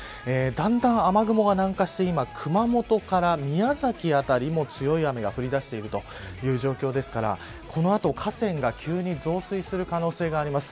だんだん、雨雲が南下して今、熊本から宮崎辺りも強い雨が降り出しているという状況ですからこの後、河川が急に増水する可能性があります。